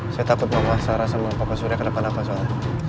saya takut mama sarah sama papa surya kedepan apa soalnya